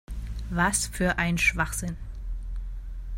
Was für ein Schwachsinn!